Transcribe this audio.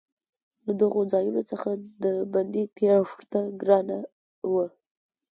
له دغو ځایونو څخه د بندي تېښته ګرانه وه.